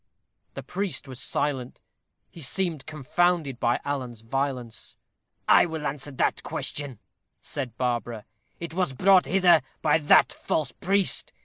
The priest was silent: he seemed confounded by Alan's violence. "I will answer that question," said Barbara. "It was brought hither by that false priest.